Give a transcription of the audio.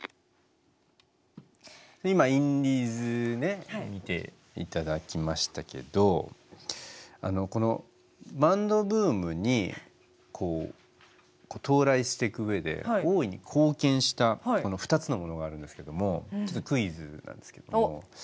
今インディーズね見て頂きましたけどこのバンドブームに到来していくうえで大いに貢献した２つのものがあるんですけどもちょっとクイズなんですけども。